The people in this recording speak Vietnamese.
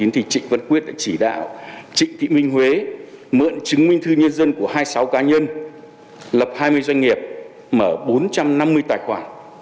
trịnh văn quyết đã chỉ đạo trịnh thị minh huế mượn chứng minh thư nhân dân của hai mươi sáu cá nhân lập hai mươi doanh nghiệp mở bốn trăm năm mươi tài khoản